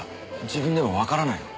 自分でもわからないの？